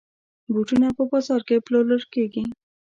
بوټونه په بازاز کې پلورل کېږي.